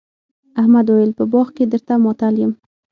احمد وويل: په باغ کې درته ماتل یم.